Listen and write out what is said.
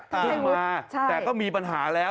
เพิ่งมาแต่ก็มีปัญหาแล้ว